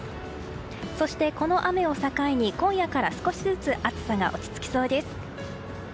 そしてこの雨を境に今夜から、少しずつ暑さが落ち着きそうです。